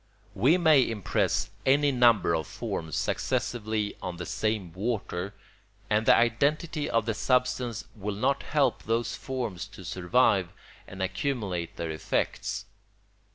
We may impress any number of forms successively on the same water, and the identity of the substance will not help those forms to survive and accumulate their effects.